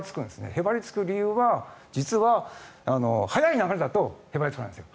へばりつく理由は実は速い流れだとへばりつかないんです。